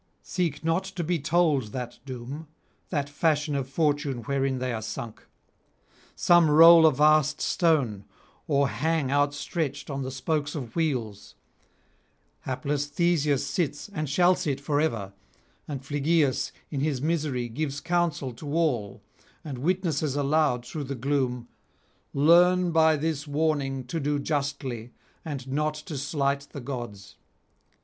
Seek not to be told that doom, that fashion of fortune wherein they are sunk. Some roll a vast stone, or hang outstretched on the spokes of wheels; hapless Theseus sits and shall sit for ever, and Phlegyas in his misery gives counsel to all and witnesses aloud through the gloom, _Learn by this warning to do justly and not to slight the gods.